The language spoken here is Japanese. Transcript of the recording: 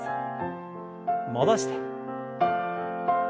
戻して。